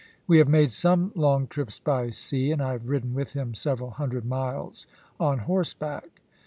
We have made some long trips by sea, and I have ridden with him several hundred miles on horseback."